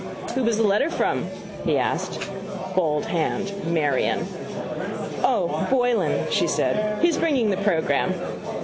—Who was the letter from? he asked. Bold hand. Marion. —O, Boylan, she said. He's bringing the programme.